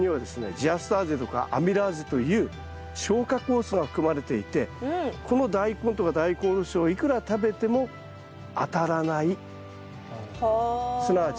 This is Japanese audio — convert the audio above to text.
ジアスターゼとかアミラーゼという消化酵素が含まれていてこのダイコンとかダイコンおろしをいくら食べてもはあ。